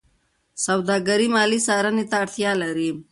سوداګري مالي څارنې ته اړتیا لري.